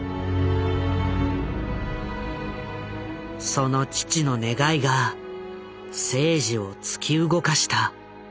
その父の願いが征爾を突き動かした。